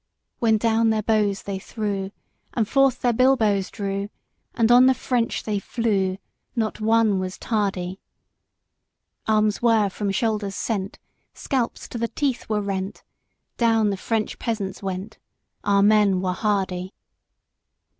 VII. When down their bows they threw And forth their bilbos drew, And on the French they flew, Not one was tardy; Arms were from shoulders sent, Scalps to the teeth were rent, Down the French peasants went Our men were hardy.